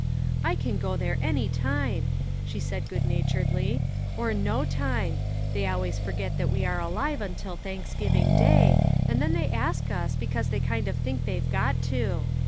" I can go there any time," she said good naturedly, "or no time; they always forget that we are alive till Thanksgiving Day, and then they ask us because they kind of think they've got to.